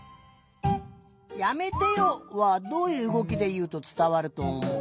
「やめてよ」はどういううごきでいうとつたわるとおもう？